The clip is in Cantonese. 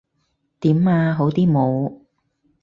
點呀？好啲冇？